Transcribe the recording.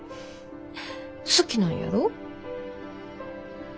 好きなんやろ？